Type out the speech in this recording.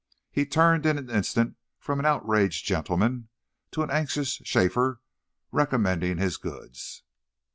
He turned in an instant from an outraged gentleman to an anxious chafferer recommending his goods.